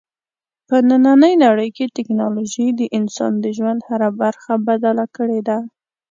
په نننۍ نړۍ کې ټیکنالوژي د انسان د ژوند هره برخه بدله کړې ده.